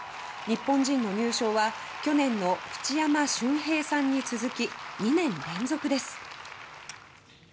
日本人の入賞は去年の淵山隼平さんに続き２年連続です。